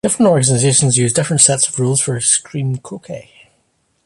Different organizations use different sets of rules for extreme croquet.